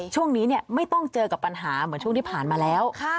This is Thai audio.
ช่วงนี้ไม่ต้องเจอกับปัญหาเหมือนช่วงที่ผ่านมาแล้ว